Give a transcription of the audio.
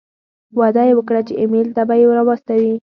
وعده یې وکړه چې ایمېل ته به یې را واستوي.